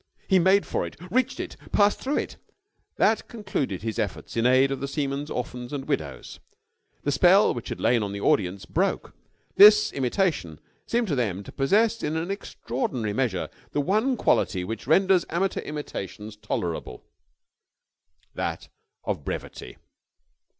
He made for it, reached it, passed through it. That concluded his efforts in aid of the Seamen's Orphans and Widows. The spell which had lain on the audience broke. This imitation seemed to them to possess in an extraordinary measure the one quality which renders amateur imitations tolerable, that of brevity.